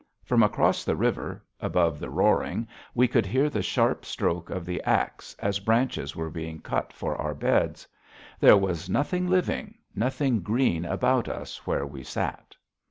From across the river, above the roaring, we could hear the sharp stroke of the axe as branches were being cut for our beds. There was nothing living, nothing green about us where we sat.